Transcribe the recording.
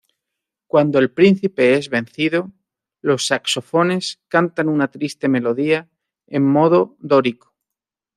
Cuando el príncipe es vencido, los saxofones cantan una triste melodía en modo dórico.